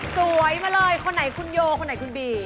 สวยมาเลยคนไหนคุณโยคนไหนคุณบี